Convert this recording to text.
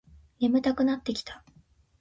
眠たくなってきた